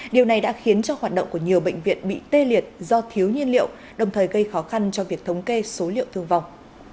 điều này đã khiến cho hoạt động của nhiều bệnh viện bị tê liệt do thiếu nhiên liệu đồng thời gây khó khăn cho việc thống kê số liệu thương vong